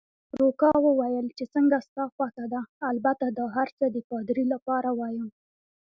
روکا وویل: چې څنګه ستا خوښه ده، البته دا هرڅه د پادري لپاره وایم.